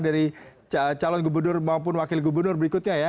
dari calon gubernur maupun wakil gubernur berikutnya ya